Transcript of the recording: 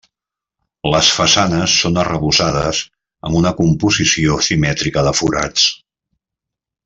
Les façanes són arrebossades amb una composició simètrica de forats.